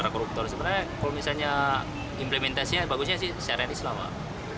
karena koruptor sebenarnya kalau misalnya implementasinya bagusnya sih syariat islam pak